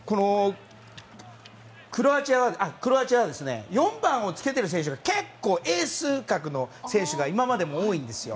クロアチアは４番をつけてる選手が結構、エース格の選手が今までも多いんですよ。